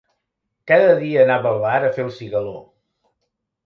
Cada dia anava al bar a fer el cigaló.